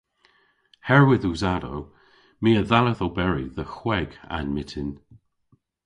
Herwydh usadow my a dhalleth oberi dhe hwegh a'n myttin.